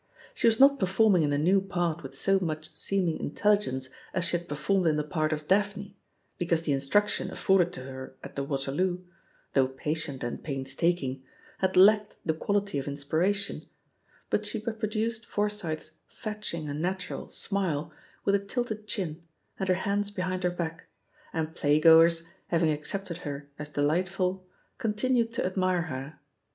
She was not performing in the new part with so much seeming intelligence as she had performed in the part of "Daphne,*' because the instruction afforded to her at the Waterloo, though patient and painstaking, had lacked the quality of in spiration; but she reproduced Forsyth's f etch ing and natural'' smile with a tilted chin and her hands behind her back, and playgoers, having ac* cepted her as delightful^ continued to admirt 281 9Si THE POSITION OP PEGGY HARPER her.